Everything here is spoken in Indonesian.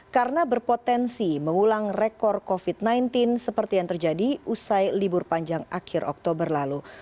karena berpotensi mengulang rekor covid sembilan belas seperti yang terjadi usai libur panjang akhir oktober lalu